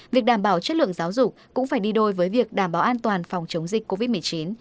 việc đảm bảo chất lượng giáo dục cũng phải đi đôi với việc đảm bảo an toàn phòng chống dịch covid một mươi chín